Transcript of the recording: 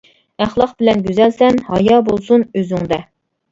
ئەخلاق بىلەن گۈزەلسەن، ھايا بولسۇن ئۆزۈڭدە.